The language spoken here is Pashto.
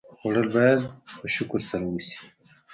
خوړل باید په شکر سره وشي